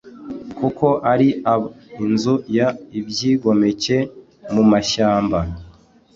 kuko ari ab inzu y 'ibyigomeke mumashyamba